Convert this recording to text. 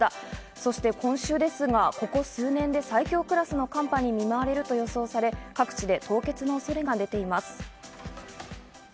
そして今週ですが、ここ数年で最強クラスの寒波に見舞われると予想され、各地で凍結の恐れが出ています。